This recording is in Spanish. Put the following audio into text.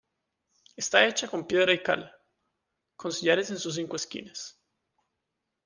Está hecha con piedra y cal, con sillares en sus cinco esquinas.